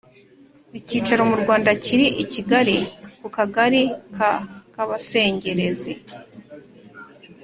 Icyicaro mu Rwanda kiri i Kigali ku Akagari ka Kabasengerezi